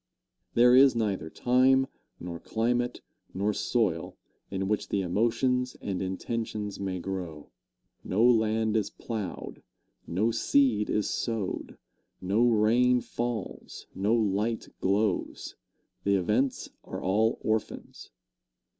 There is neither time, nor climate, nor soil, in which the emotions and intentions may grow. No land is plowed, no seed is sowed, no rain falls, no light glows the events are all orphans.